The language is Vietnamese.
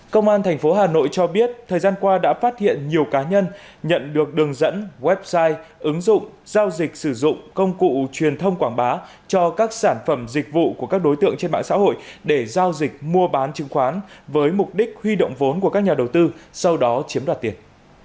công an tp hà nội cho biết thời gian qua đã phát hiện nhiều cá nhân nhận được đường dẫn website ứng dụng giao dịch sử dụng công cụ truyền thông quảng bá cho các sản phẩm dịch vụ của các đối tượng trên mạng xã hội để giao dịch mua bán chứng khoán với mục đích huy động vốn của các nhà đầu tư sau đó chiếm đoạt tiền